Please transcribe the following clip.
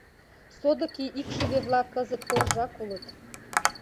— Содыки икшыве-влак кызыт торжак улыт.